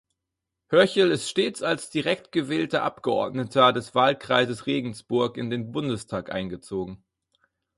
Höcherl ist stets als direkt gewählter Abgeordneter des Wahlkreises Regensburg in den Bundestag eingezogen.